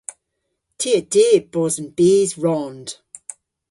Ty a dyb bos an bys rond.